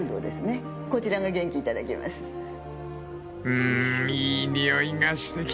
［うんいい匂いがしてきたぞ］